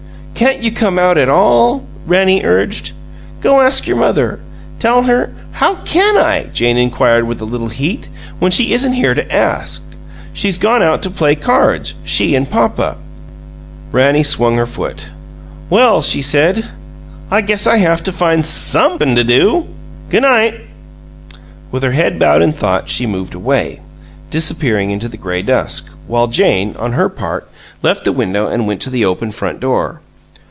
"Can't you come out at all?" Rannie urged. "Go ask your mother. Tell her " "How can I," Jane inquired, with a little heat, "when she isn't here to ask? She's gone out to play cards she and papa." Rannie swung her foot. "Well," she said, "I guess I haf to find SOMEp'n to do! G' night!" With head bowed in thought she moved away, disappearing into the gray dusk, while Jane, on her part, left the window and went to the open front door.